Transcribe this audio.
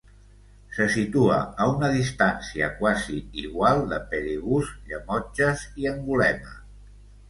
Se situa a una distància quasi igual de Perigús, Llemotges i Angulema.